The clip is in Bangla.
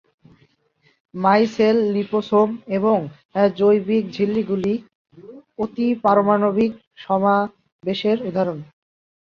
মাইসেল, লিপোসোম এবং জৈবিক ঝিল্লিগুলি অতিপারমাণবিক সমাবেশের উদাহরণ।